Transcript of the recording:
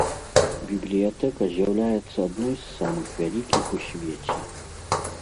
Бібліятэка з'яўляецца адной з самых вялікіх у свеце.